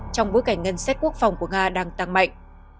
trong bối cảnh ngân sách quốc phòng của nga đang tăng mạnh